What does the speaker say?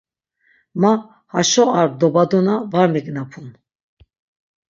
Ma haşo ar dobadona var mignapun.